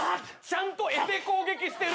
ちゃんと柄で攻撃してる。